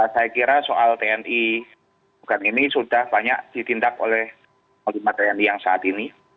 saya kira soal tni bukan ini sudah banyak ditindak oleh panglima tni yang saat ini